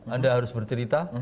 anda harus bercerita